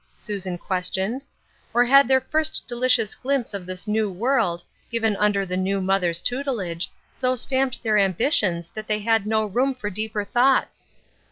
" Susan questioned, " or had their first delicious glimpse of this new world, given under the new mother's tutelage, so stamped their ambitions that they had no room for deeper thoughts